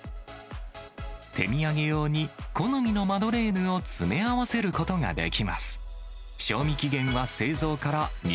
手土産用に好みのマドレーヌを詰め合わせることができます。